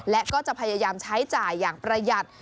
และก็จะพยายามใช้จ่ายอย่างประหยัด